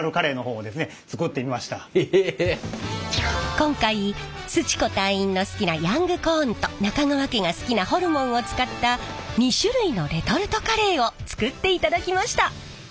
今回すち子隊員の好きなヤングコーンと中川家が好きなホルモンを使った２種類のレトルトカレーを作っていただきました。